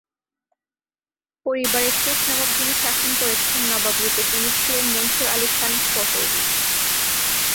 পরিবারের শেষ নবাব যিনি শাসন করেছেন নবাব রূপে তিনি ছিলেন মনসুর আলি খান পতৌদি।